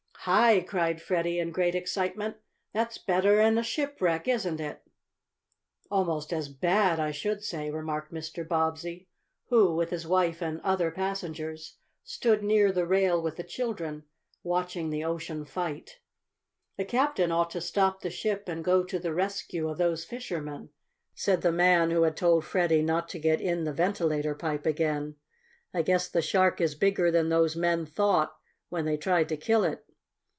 "Hi!" cried Freddie in great excitement. "That's better'n a shipwreck, isn't it?" "Almost as bad, I should say," remarked Mr. Bobbsey, who, with his wife and other passengers, stood near the rail with the children watching the ocean fight. "The captain ought to stop the ship and go to the rescue of those fishermen," said the man who had told Freddie not to get in the ventilator pipe again. "I guess the shark is bigger than those men thought when they tried to kill it."